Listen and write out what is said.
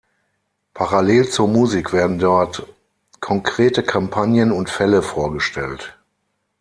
Parallel zur Musik werden dort konkrete Kampagnen und Fälle vorgestellt.